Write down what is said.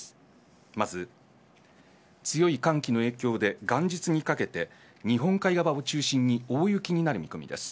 まず、強い寒気の影響で元日にかけて日本海側を中心に大雪になる見込みです。